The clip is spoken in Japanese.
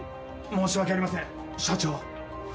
申し訳ありません社長。